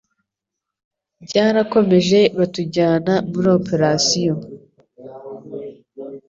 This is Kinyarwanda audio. byarakomeje batujyana muri Opération